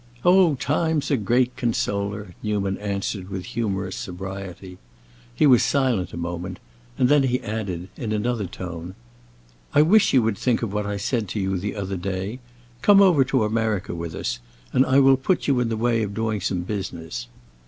"Oh, time's a great consoler!" Newman answered with humorous sobriety. He was silent a moment, and then he added, in another tone, "I wish you would think of what I said to you the other day. Come over to America with us, and I will put you in the way of doing some business.